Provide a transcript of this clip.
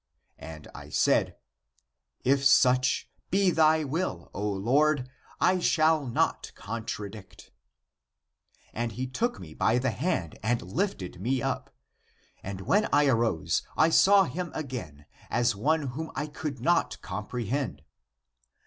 And I said, If such be thy will, O Lord, I shall not contradict. And he took me bythe hand and lifted me up. And when I arose, I saw him again as one whom I could not comprehend.